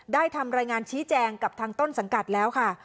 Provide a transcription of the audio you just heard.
ทำรายงานชี้แจงกับทางต้นสังกัดแล้วค่ะ